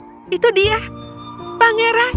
di kejauhan dia melihat cahaya redup